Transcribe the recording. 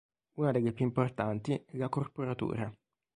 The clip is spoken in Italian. Una delle più importanti è la corporatura.